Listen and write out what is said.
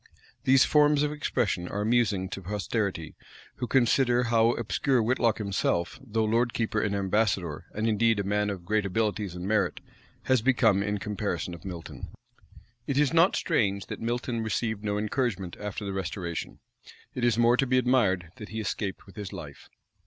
These forms of expression are amusing to posterity, who consider how obscure Whitlocke himself though lord keeper and ambassador, and indeed a man of great abilities and merit, has become in comparison of Milton. It is not strange that Milton received no encouragement after the restoration: it is more to be admired that he escaped with his life.